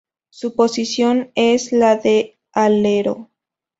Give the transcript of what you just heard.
Su posición es la de alero.